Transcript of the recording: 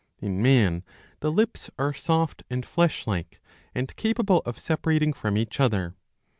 In man the lips are soft and flesh like and capable of separating from each other.